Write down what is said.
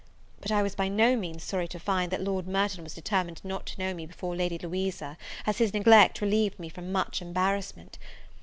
But I was by no means sorry to find, that Lord Merton was determined not to know me before Lady Louisa, as his neglect relieved me from much embarrassment.